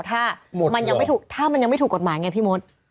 ถ้ามันยังไม่ถูกกฎหมายไงพี่มศ